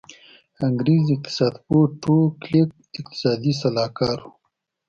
انګرېز اقتصاد پوه ټو کلیک اقتصادي سلاکار و.